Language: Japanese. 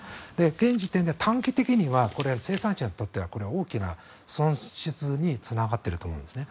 現時点で短期的には生産者にとってはこれは大きな損失につながっていると思うんですね。